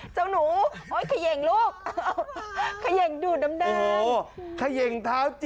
เจ้าหนูโดยเขย่งลูกดูดน้ำดัง